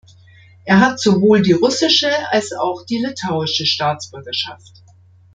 Er hat sowohl die russische als auch die litauische Staatsbürgerschaft.